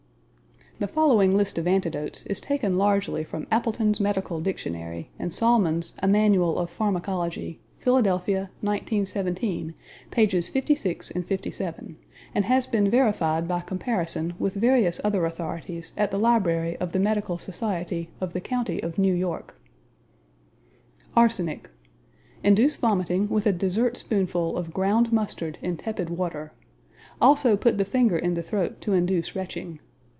The following list of antidotes is taken largely from Appleton's Medical Dictionary, and Sollmann's A Manual of Pharmacology, Philadelphia, 1917, pages 56 and 57, and has been verified by comparison with various other authorities at the library of the Medical Society of the County of New York: Arsenic Induce vomiting with a dessert spoonful of ground mustard in tepid water. Also put the finger in the throat to induce retching.